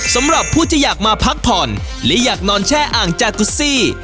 สำหรับผู้ที่อยากมาพักผ่อนและอยากนอนแช่อ่างจากุซี่